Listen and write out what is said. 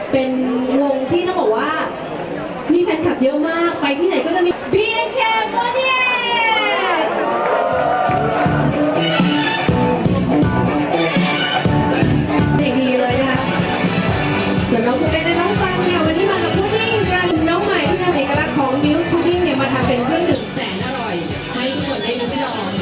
เพลงว่านะคะเป็นเชิญเกียรติกับท่านมิวส์ไลน์แลนด์